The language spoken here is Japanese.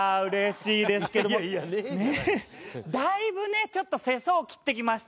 だいぶねちょっと世相を斬ってきましたけども。